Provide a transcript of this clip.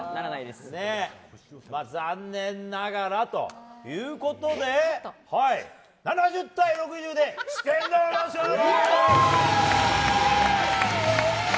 残念ながらということで７０対６０で四天王の勝利！